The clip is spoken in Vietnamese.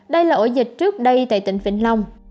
đây là ổ dịch trước đây tại tỉnh vĩnh long